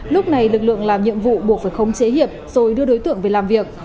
lúc này lực lượng làm nhiệm vụ buộc phải không chế hiệp rồi đưa đối tượng về làm việc